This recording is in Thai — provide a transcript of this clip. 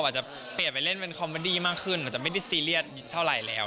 อาจจะเปลี่ยนไปเล่นเป็นคอมพอดี้มันกว่าขึ้นมันจะไม่ได้เสีรียสเท่าไหร่แล้ว